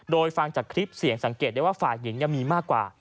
โดยฟังจากคลิปเสียงสังเกตได้ว่าฝ่ายหญิงยังมีมากกว่า